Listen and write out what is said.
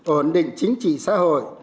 ổn định chính trị xã hội